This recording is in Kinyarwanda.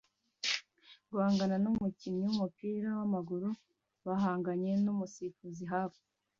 guhangana numukinnyi wumupira wamaguru bahanganye numusifuzi hafi